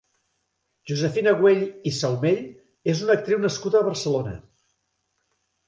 Josefina Güell i Saumell és una actriu nascuda a Barcelona.